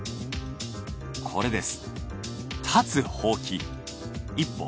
これです。